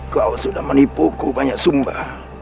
kau sudah menipuku banyak sumba